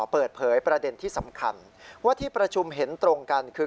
เปิดเผยประเด็นที่สำคัญว่าที่ประชุมเห็นตรงกันคือ